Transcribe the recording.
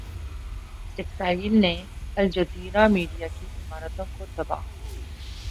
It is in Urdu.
اسرائیل نے الجزیرہ میڈیا کی عمارتوں کو تباہ